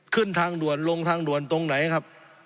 ขึ้นทางด่วนลงทางด่วนตรงไหนครับ